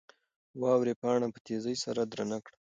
واورې پاڼه په تېزۍ سره درنه کړه.